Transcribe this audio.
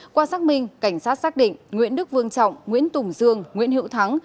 qua xác minh cảnh sát xác định nguyễn đức vương trọng nguyễn tùng dương nguyễn hữu thắng